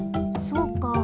そうか。